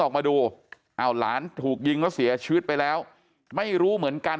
ออกมาดูอ้าวหลานถูกยิงแล้วเสียชีวิตไปแล้วไม่รู้เหมือนกัน